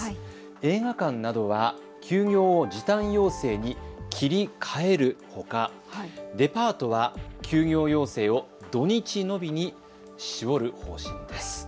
映画館などは休業を時短要請に切り替えるほかデパートは休業要請を土日のみに絞る方針です。